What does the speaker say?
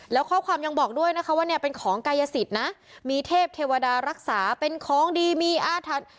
แล้วข้อความยังบอกด้วยนะคะว่าเนี่ยเป็นของกายสิทธิ์นะมีเทพเทวดารักษาเป็นของดีมีอาถรรพ์